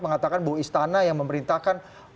mengatakan bahwa istana yang memerintahkan